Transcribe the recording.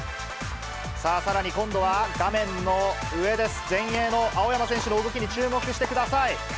さあ、さらに今度は画面の上です、前衛の青山選手の動きに注目してください。